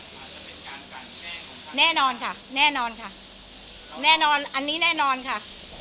อาจจะเป็นการกันแน่นอนค่ะแน่นอนค่ะแน่นอนอันนี้แน่นอนค่ะ